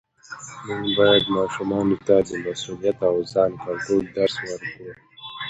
موږ باید ماشومانو ته د مسؤلیت او ځان کنټرول درس ورکړو